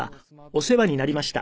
「お世話になりました」。